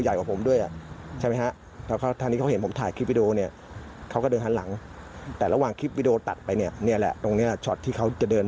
อ้าวชาวบ้านเล่าบอกว่าโอ้โหแถวนี้น่ะเหรอ